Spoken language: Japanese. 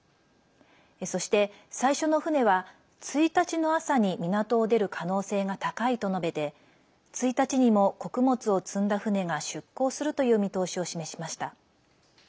そして、最初の船は１日の朝に港を出る可能性が高いと述べて１日にも穀物を積んだ船が出港するという見通しを示しました。